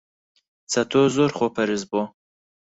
چەتۆ زۆر خۆپەرست بووە.